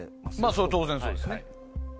それは当然そうですね。